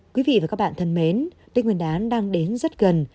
quý vị và các bạn thân mến tên nguyên đán đang đến rất gần